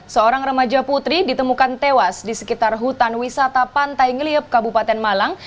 seorang remaja putri ditemukan tewas di sekitar hutan wisata pantai ngeliep kabupaten malang